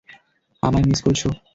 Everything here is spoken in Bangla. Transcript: আমায় মিস করেছো?